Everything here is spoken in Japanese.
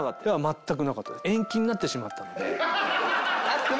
全くなかったです。